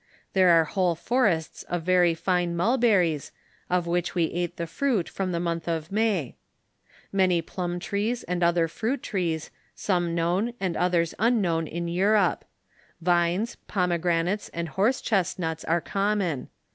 There are whole forests of very fine mulberries, of which we ate the fruit from the month of May ; many plum trees and other fruit trees, some known and others unknown in Europe ; vines, pomegranates, and horse chestnuts, are common.